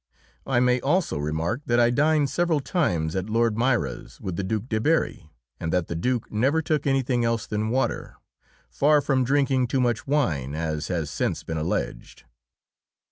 I may also remark that I dined several times at Lord Moira's with the Duke de Berri, and that the Duke never took anything else than water, far from drinking too much wine, as has since been alleged.